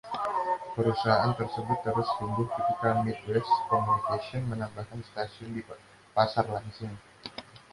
Perusahaan tersebut terus tumbuh ketika Midwest Communications menambahkan stasiun di pasar Lansing.